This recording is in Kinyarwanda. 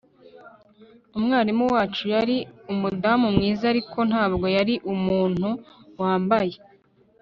Umwarimu wacu yari umudamu mwiza ariko ntabwo yari umuntu wambaye